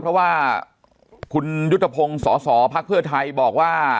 เพราะว่าคุณยุทธพงศ์สสพักเพื่อไทยบอกว่า